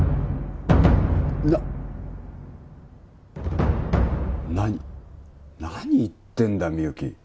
な何何言ってんだみゆき